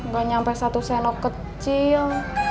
gak nyampe satu senok kecil